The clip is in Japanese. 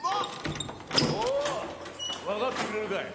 おおわかってくれるかい？